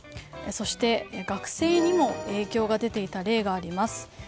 そして、学生にも影響が出ていた例があります。